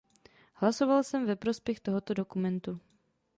Hlasoval jsem ve prospěch tohoto dokumentu.